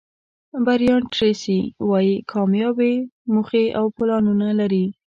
برایان ټریسي وایي کامیاب موخې او پلانونه لري.